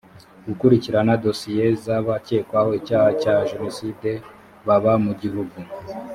gukurikirana dosiye z’abakekwaho icyaha cya jenoside baba mu gihugu